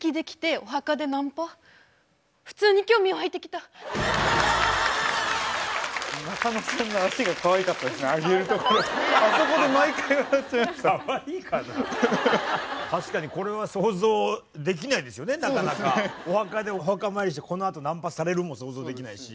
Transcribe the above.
お墓でお墓参りしてこのあとナンパされるも想像できないし。